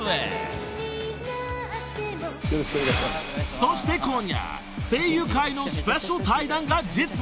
［そして今夜声優界のスペシャル対談が実現］